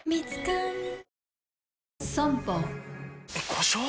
故障？